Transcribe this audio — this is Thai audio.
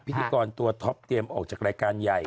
พิธีกรตัวท็อปเตรียมออกจากรายการใหญ่